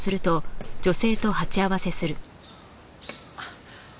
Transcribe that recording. あっ。